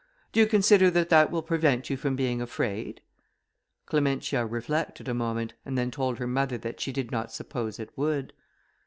Do you consider that that will prevent you from being afraid?" Clementia reflected a moment, and then told her mother that she did not suppose it would.